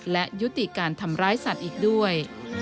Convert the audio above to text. และยุติการทำร้ายสัตว์อีกด้วย